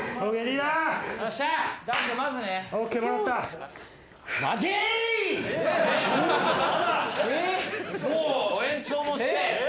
もう延長もして。